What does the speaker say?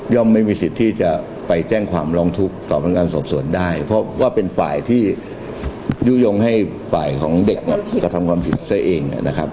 ไม่มีสิทธิ์ที่จะไปแจ้งความร้องทุกข์ต่อพนักงานสอบสวนได้เพราะว่าเป็นฝ่ายที่ยุโยงให้ฝ่ายของเด็กกระทำความผิดซะเองนะครับ